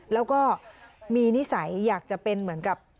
แล้วก็มีนิสัยอยากจะเป็นเหมือนกับ